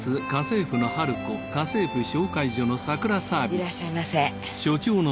いらっしゃいませ。